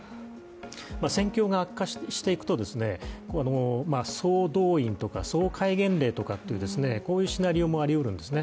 戦況が悪化していくと総動員とか総戒厳令とかこういうシナリオもありうるんですね。